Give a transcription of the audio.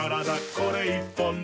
これ１本で」